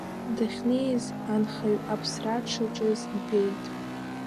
Дахьнеиз, анхаҩ аԥсра дшаҿыз ибеит.